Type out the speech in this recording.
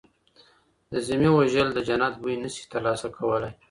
د ذمي وژل د جنت بوی نه سي ترلاسه کولی.